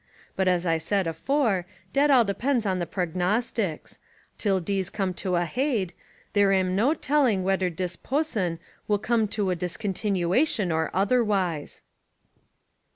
But as I said afore, dat all de pends on the prognotics: till dese come to a haid, dere am no telling whether dis pusson will come to a dis continuation or otherwise."